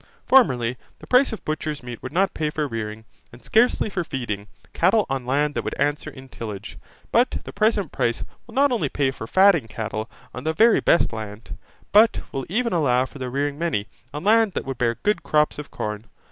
Formerly, the price of butchers, meat would not pay for rearing, and scarcely for feeding, cattle on land that would answer in tillage; but the present price will not only pay for fatting cattle on the very best land, but will even allow of the rearing many, on land that would bear good crops of corn.